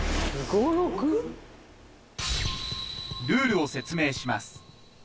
ルールを説明します